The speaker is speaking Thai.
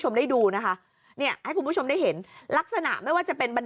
ชมได้ดูนะคะไงคุณมีชมได้เห็นลักษณะไม่ว่าจะเป็นบัน